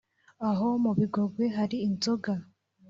Aho mu Bigogwe hari inzoga